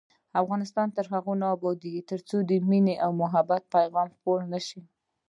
افغانستان تر هغو نه ابادیږي، ترڅو د مینې او محبت پیغام خپور نشي.